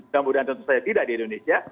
semoga tentu saja tidak di indonesia